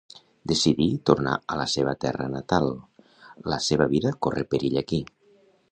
Decidir tornar a la seva terra natal, la seva vida corre perill aquí